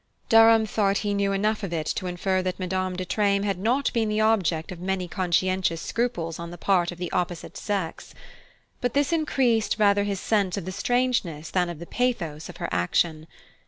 Durham thought he knew enough of it to infer that Madame de Treymes had not been the object of many conscientious scruples on the part of the opposite sex; but this increased rather his sense of the strangeness than of the pathos of her action.